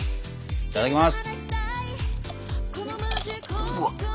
いただきます。